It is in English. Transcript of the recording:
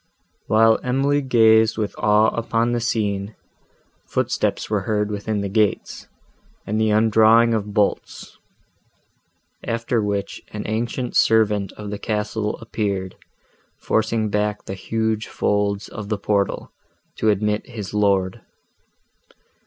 While Emily gazed with awe upon the scene, footsteps were heard within the gates, and the undrawing of bolts; after which an ancient servant of the castle appeared, forcing back the huge folds of the portal, to admit his lord.